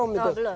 untung belum itu